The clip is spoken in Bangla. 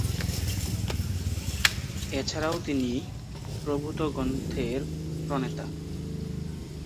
এছাড়াও তিনি প্রভূত গ্রন্থের প্রণেতা।